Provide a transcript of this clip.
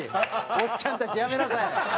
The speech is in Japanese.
おっちゃんたちやめなさい。